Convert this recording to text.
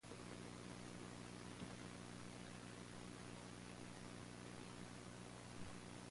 The players take turns moving one of their pieces one square diagonally.